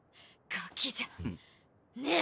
ガキじゃねえ！！